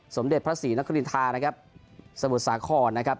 สมเด็จพระศรีนครินทานะครับสมุทรสาครนะครับ